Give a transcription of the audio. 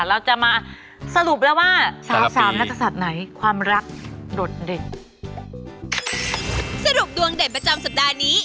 เราจะมาสรุปแล้วว่าชาว๓นักศัตริย์ไหนความรักหลดเด็ด